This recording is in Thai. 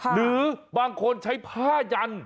หรือบางคนใช้ผ้ายัน